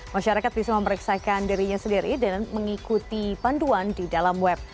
masyarakat bisa memeriksakan dirinya sendiri dan mengikuti panduan di dalam web